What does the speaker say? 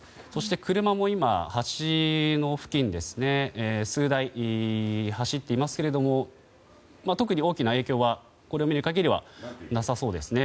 車も今、橋の付近に数台走っていますが特に大きな影響はこれを見る限りではなさそうですね。